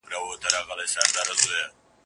دا کاڼي د غضب یوازي زموږ پر کلي اوري